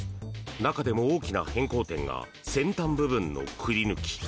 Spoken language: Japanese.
中でも大きな変更点が先端部分のくり抜き。